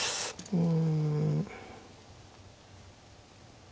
うん。